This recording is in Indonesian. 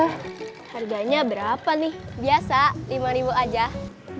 harganya berapa nih